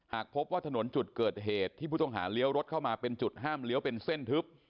หากพบว่าถนนจุดเกิดเหตุที่ผู้ต้องหาเลี้ยวรถเข้ามาเป็นจุดห้ามเลี้ยวเป็นเส้นทึบ